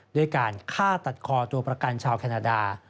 ด้วยการฆ่าตัดคอตัวประกันชาวแคนาดา